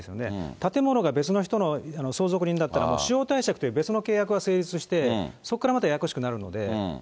建物が別の人の相続人だったら、もう使用貸借という別の契約が成立して、そこからまたややこしくなるので。